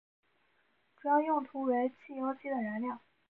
主要用途为汽油机的燃料。